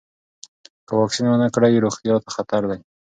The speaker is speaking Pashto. که واکسین ونه کړئ، روغتیا ته خطر دی.